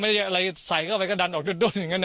อะไรใส่เข้าไปก็ดันออกด้นอย่างนั้นนะ